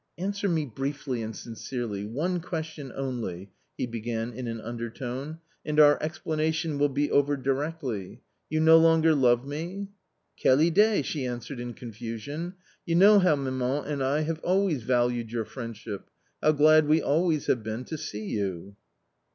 "Answer me briefly and sincerely, one question only," he began in an undertone, "and our explanation will be over directly. You no longer love me ?"" Quelle idee 1 " she answered in confusion ; you know how maman and I have always valued your friendship — how glad we always have been to see you."